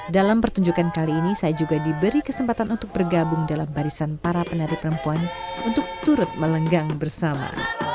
dalam pertunjukan kali ini saya juga diberi kesempatan untuk bergabung dalam barisan para penari perempuan untuk turut melenggang bersama